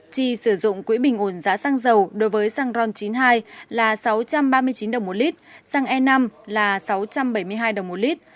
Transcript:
chi sử dụng quỹ bình ổn giá xăng dầu đối với xăng ron chín mươi hai là sáu trăm ba mươi chín đồng một lít xăng e năm là sáu trăm bảy mươi hai đồng một lít